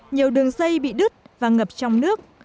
nhiều đường dây bị đứt và ngập trong nước